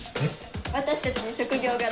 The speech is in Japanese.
私たち職業柄